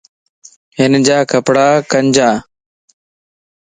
ھنجا ڪپڙا ڪنجان